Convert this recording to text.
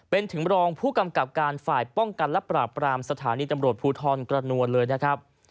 เป็นถึงรองผู้กำกับการฝ่ายป้องกันและปราบปรามสถานีตำรวจภูทรกระนวลเลยนะครับ